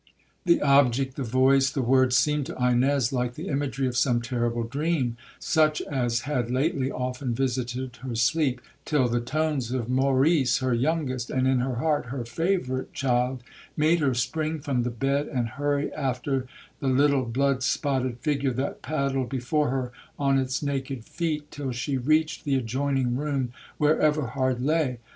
The object, the voice, the words, seemed to Ines like the imagery of some terrible dream, such as had lately often visited her sleep, till the tones of Maurice, her youngest, and (in her heart) her favourite child, made her spring from the bed, and hurry after the little blood spotted figure that paddled before her on its naked feet, till she reached the adjoining room where Everhard lay.